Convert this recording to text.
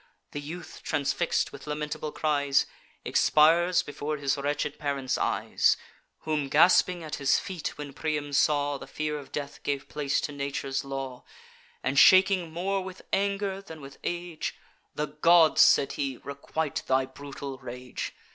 The youth, transfix'd, with lamentable cries, Expires before his wretched parent's eyes: Whom gasping at his feet when Priam saw, The fear of death gave place to nature's law; And, shaking more with anger than with age, 'The gods,' said he, 'requite thy brutal rage!